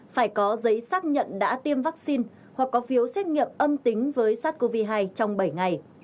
phải có giấy xác nhận đã tiêm vaccine hoặc có phiếu xét nghiệm âm tính với sars cov hai trong bảy ngày